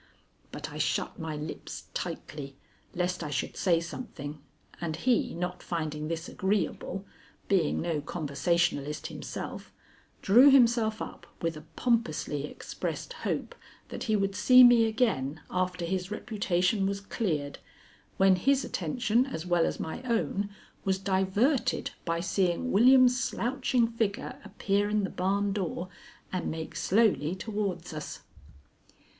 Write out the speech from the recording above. But I shut my lips tightly lest I should say something, and he, not finding this agreeable, being no conversationalist himself, drew himself up with a pompously expressed hope that he would see me again after his reputation was cleared, when his attention as well as my own was diverted by seeing William's slouching figure appear in the barn door and make slowly towards us.